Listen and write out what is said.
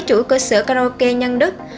chủ cơ sở karaoke nhân đức